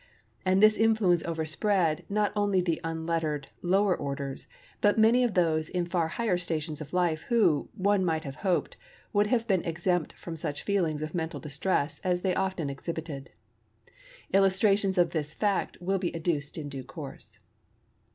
And this influence overspread, not only the unlettered lower orders, but many of those in far higher stations of life who, one might have hoped, would have been exempt from such feelings of mental distress as they often exhibited. Illustrations of this fact will be adduced in due course.